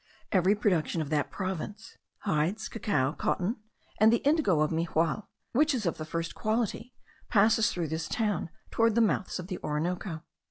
Every production of that province, hides, cacao, cotton, and the indigo of Mijagual, which is of the first quality, passes through this town towards the mouths of the Orinoco.